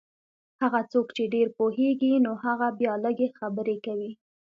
هغه څوک چې ډېر پوهېږي نو هغه بیا لږې خبرې کوي.